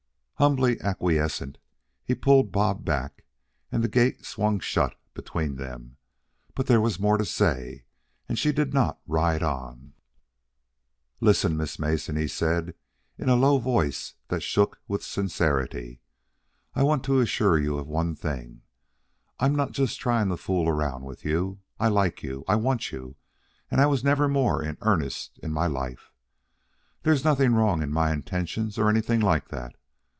Humbly acquiescent, he pulled Bob back, and the gate swung shut between them. But there was more to say, and she did not ride on. "Listen, Miss Mason," he said, in a low voice that shook with sincerity; "I want to assure you of one thing. I'm not just trying to fool around with you. I like you, I want you, and I was never more in earnest in my life. There's nothing wrong in my intentions or anything like that.